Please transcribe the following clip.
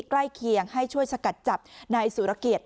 ใกล้เคียงให้ช่วยชะกัดจับในศูนย์ละเกียจ